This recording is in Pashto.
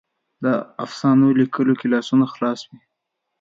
د افسانو لیکلو کې لاسونه خلاص وي.